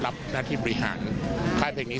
รับหน้าที่บริหารค่ายเพลงนี้